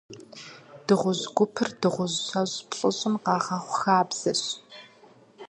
Дыгъужь гупыр дыгъужь щэщӏ-плӏыщӏым къагъэхъу хабзэщ.